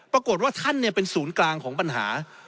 ปรากฏว่าท่านเป็นศูนย์กลางของปัญหา